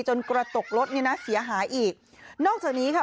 กระจกรถเนี่ยนะเสียหายอีกนอกจากนี้ค่ะ